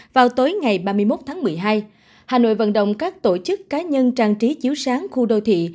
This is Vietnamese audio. vào tối ngày ba mươi một tháng một mươi hai hà nội vận động các tổ chức cá nhân trang trí chiếu sáng khu đô thị